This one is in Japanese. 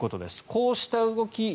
こうした動き